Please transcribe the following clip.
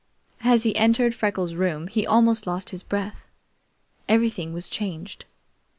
As he entered Freckles' room he almost lost his breath. Everything was changed.